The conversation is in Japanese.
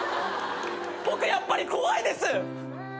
僕やっぱり怖いです！